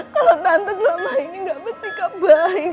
kalau tante selama ini gak berikah baik